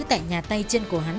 tại nhà tay chân của hắn